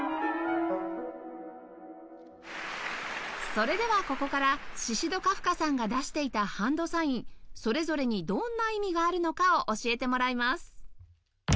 それではここからシシド・カフカさんが出していたハンドサインそれぞれにどんな意味があるのかを教えてもらいます